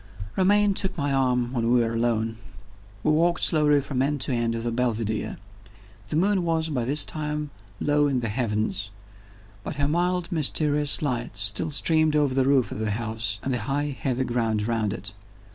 Romayne took my arm when we were alone we walked slowly from end to end of the Belvidere. The moon was, by this time, low in the heavens; but her mild mysterious light still streamed over the roof of the house and the high heathy ground round it.